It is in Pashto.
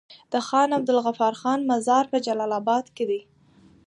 د خان عبدالغفار خان مزار په جلال اباد کی دی